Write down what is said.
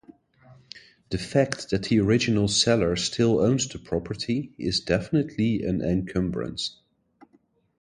The fact that the original seller still owns the property is definitely an encumbrance.